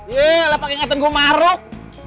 yelah pake ingatan gue maruk